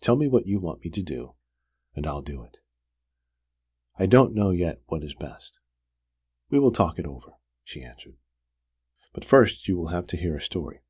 Tell me what you want me to do, and I'll do it." "I don't know yet what is best. We will talk it over," she answered. "But first you will have to hear a story.